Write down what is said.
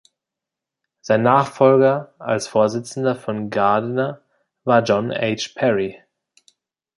Sein Nachfolger als Vorsitzender von Gardiner war John H. Parry.